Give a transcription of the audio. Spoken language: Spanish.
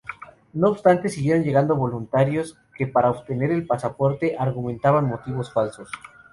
No obstante siguieron llegando voluntarios que, para obtener el pasaporte, argumentaban motivos falsos.